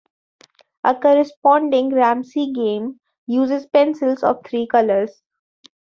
A corresponding Ramsey game uses pencils of three colors.